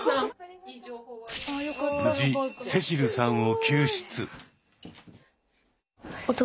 無事聖秋流さんを救出。